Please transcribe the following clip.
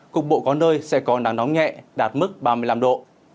cục bộ có nơi sẽ có nắng nóng nhẹ đạt mức ba mươi năm độ